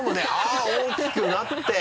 あぁ大きくなって。